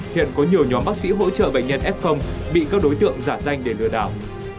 hiện có nhiều nhóm bác sĩ hỗ trợ bệnh nhân f bị các đối tượng giả danh để lừa đảo